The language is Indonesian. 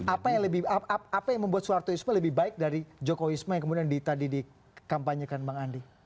apa yang membuat soeharto isma lebih baik dari joko isma yang kemudian tadi dikampanyekan bang andi